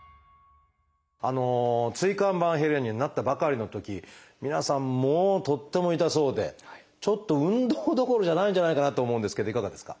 椎間板ヘルニアになったばかりのとき皆さんもうとっても痛そうでちょっと運動どころじゃないんじゃないかなと思うんですけどいかがですか？